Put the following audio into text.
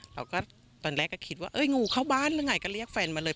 เราก็ตอนแรกก็คิดว่าก็เรียกแฟนมาเลย